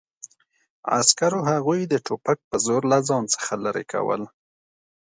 عسکرو هغوی د ټوپک په زور له ځان څخه لرې کول